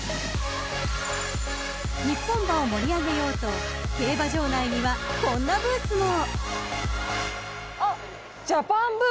［日本馬を盛り上げようと競馬場内にはこんなブースも］